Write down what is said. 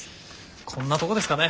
こんなとこですかね。